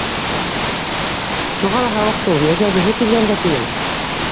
Шуға ла һауыҡты ул. Йәшәгеһе килгәнгә тием.